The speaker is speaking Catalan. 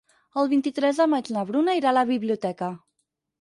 El vint-i-tres de maig na Bruna irà a la biblioteca.